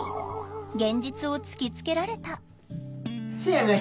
現実を突きつけられた「せやな」。